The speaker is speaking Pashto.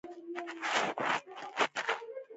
برېټانیا په دې برخه کې د سپېڅلې کړۍ یو مثال دی.